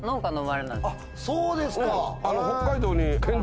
あっそうですか。